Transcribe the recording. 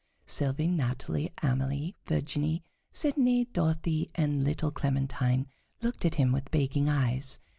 Sylvie, Natalie, Amalie, Virginie, Sidonie, Dorothée, and little Clementine looked at him with begging eyes.